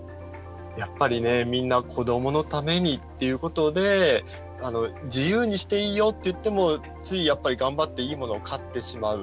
やっぱり、みんな子どものためにっていうことで自由にしていいよって言ってもつい、やっぱり頑張っていいものを買ってしまう。